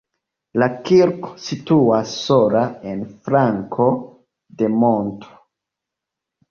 La kirko situas sola en flanko de monto.